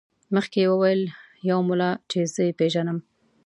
مخکې یې وویل یو ملا چې زه یې پېژنم.